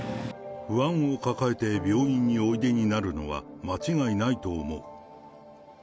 不安を抱えて病院においでになるのは間違いないと思う。